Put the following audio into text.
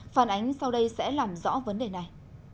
phản ánh sau đây sẽ làm rõ vấn đề này